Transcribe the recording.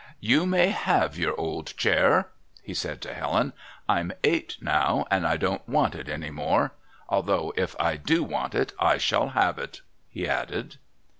"You may have your old chair," he said to Helen. "I'm eight now, and I don't want it any more... although if I do want it I shall have it," he added.